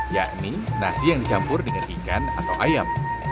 yakni nasi yang dicampur dengan ikan atau ayam